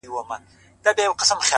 نوره به دي زه له ياده وباسم.